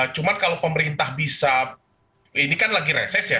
cuma kalau pemerintah bisa ini kan lagi reses ya